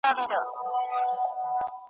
خو چي دواړي هیلۍ سوې هواته پورته .